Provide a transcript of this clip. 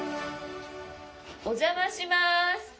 お邪魔します。